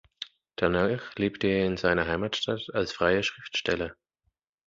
Danach lebte er in seiner Heimatstadt als freier Schriftsteller.